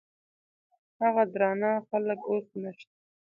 هغه درانه خلګ اوس نشته.